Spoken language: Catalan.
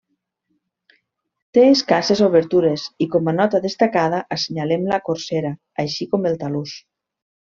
Té escasses obertures i com a nota destacada assenyalem la corsera, així com el talús.